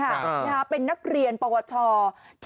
ปรากฏว่าในจังหวัดที่ไปช่วยแม่ปิดร้านเป็นร้านขายกาแฟโบราณเนี่ยนะคะ